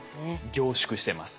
凝縮してます。